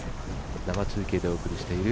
生中継でお送りしています